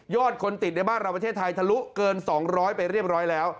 คนติดในบ้านเราประเทศไทยทะลุเกิน๒๐๐ไปเรียบร้อยแล้ว